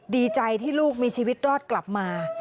ดีใจที่ลูกมีชีวิตรอดกลับมา